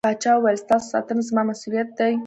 پاچا وويل: ستاسو ساتنه زما مسووليت دى.